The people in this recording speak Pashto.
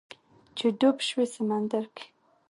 چې ډوب شوی سمندر کې